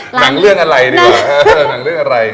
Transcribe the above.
หนังเรื่องอะไรดีกว่า